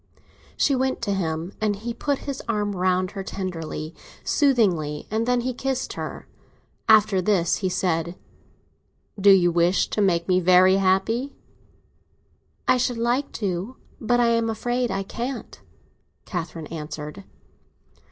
She went to him, and he put his arm round her tenderly, soothingly; and then he kissed her. After this he said: "Do you wish to make me very happy?" "I should like to—but I am afraid I can't," Catherine answered.